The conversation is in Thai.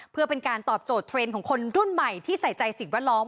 เพื่อเป็นการตอบโจทย์เทรนด์ของคนรุ่นใหม่ที่ใส่ใจสิ่งแวดล้อม